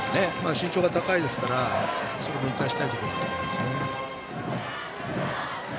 身長も高いですからそれも生かしたいところですね。